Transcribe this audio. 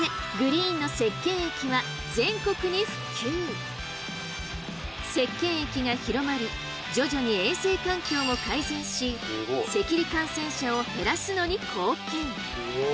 こうして石けん液が広まり徐々に衛生環境も改善し赤痢感染者を減らすのに貢献！